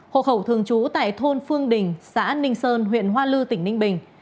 hộ khẩu thường trú tại thôn phương đình xã ninh sơn huyện hoa lư tỉnh ninh bình